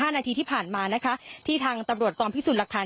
นาทีที่ผ่านมานะคะที่ทางตำรวจกองพิสูจน์หลักฐาน